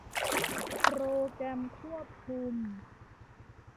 โปรแกรมควบคุม